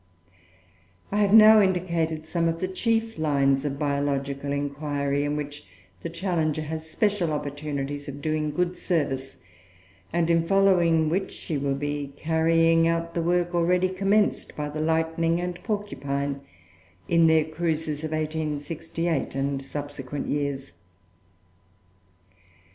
I have now indicated some of the chief lines of Biological inquiry, in which the Challenger has special opportunities for doing good service, and in following which she will be carrying out the work already commenced by the Lightning and Porcupine in their cruises of 1868 and subsequent years.